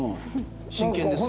真剣ですよ。